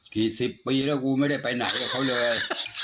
กี่สิบปีแล้วกูไม่ได้ไปไหนกับเขาเลย